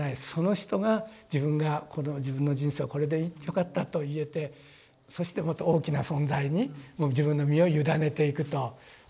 その人が自分がこの自分の人生をこれでよかったと言えてそしてもっと大きな存在に自分の身を委ねていくと。